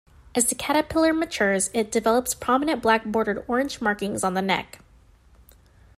As the caterpillar matures, it develops prominent black-bordered orange markings on the neck.